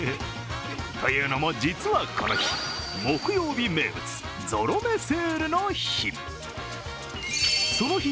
というのも実はこの日、木曜日名物、ゾロ目セールの日。